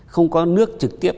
không có nước trực tiếp